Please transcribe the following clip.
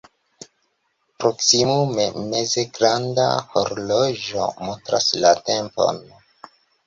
Proksimume meze granda horloĝo montras la tempon.